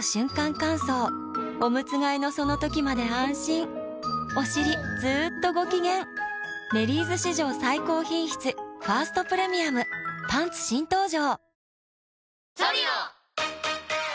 乾燥おむつ替えのその時まで安心おしりずっとご機嫌「メリーズ」史上最高品質「ファーストプレミアム」パンツ新登場！